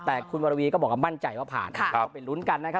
แต่คุณวรวีก็บอกว่ามั่นใจว่าผ่านก็ไปลุ้นกันนะครับ